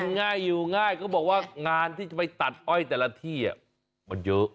ง่ายอยู่ง่ายก็บอกว่างานที่จะไปตัดอ้อยแต่ละที่มันเยอะ